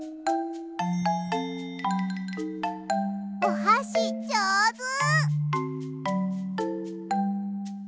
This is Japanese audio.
おはしじょうず！